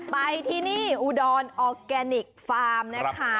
ไปที่นี่อุดรออร์แกนิคฟาร์มนะคะ